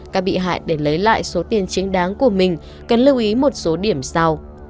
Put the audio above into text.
các bị hại để lấy lại số tiền chính đáng của mình cần lưu ý một số điểm sau